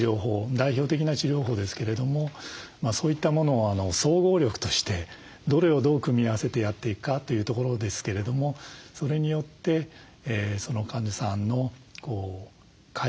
代表的な治療法ですけれどもそういったものを総合力としてどれをどう組み合わせてやっていくかというところですけれどもそれによってその患者さんの回復